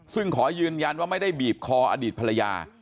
ซึ่งขอยืนยันว่าไม่ได้บีบคออดีตภรรยา